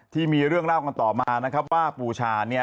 ที่มีเรื่องเล่ากันต่อมานะครับว่าปูชา